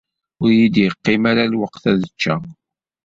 Ur yi-d-yeqqim ara lweqt ad ččeɣ.